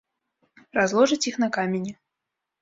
Разложыць іх на камені.